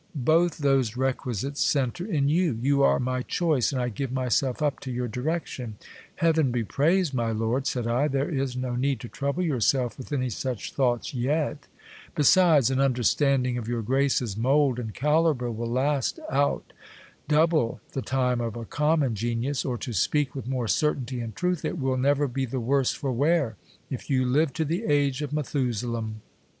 Both those requisites centre in you : you are my choice, and I give myself up to your direction. Heaven be praised, my lord, said I, there is no need to trouble yourself with any such thoughts yet Be sides, an understanding of your grace's mould and calibre will last out double the time of a common genius ; or to speak with more certainty and truth, it will never be the worse for wear, if you live to the age of Methusalem.